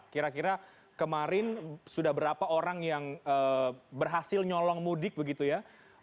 kira kira kemarin sudah berapa orang yang berhasil nyolong mudik begitu ya